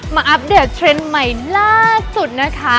อัปเดตเทรนด์ใหม่ล่าสุดนะคะ